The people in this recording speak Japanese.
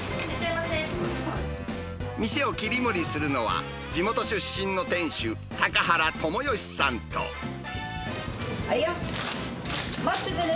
店を切り盛りするのは、地元出身の店主、待っててね、